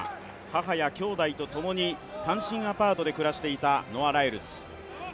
母やきょうだいと共に単身アパートで暮らしていたノア・ライルズ。